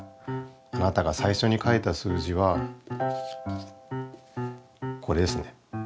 あなたが最初に書いた数字はこれですね。